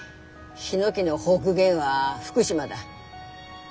ヒノキの北限は福島だ。